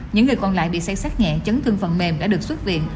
những người còn lại bị say sát nhẹ chấn thương phần mềm đã được xuất viện